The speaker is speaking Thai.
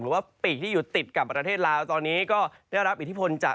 ว่าปีกที่อยู่ติดกับประเทศลาวตอนนี้ก็ได้รับอิทธิพลจาก